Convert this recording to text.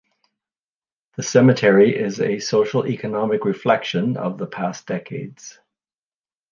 The cemetery is a social-economic reflection of the past decades.